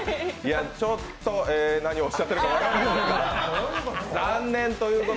ちょっと何をおっしゃってるか分からない。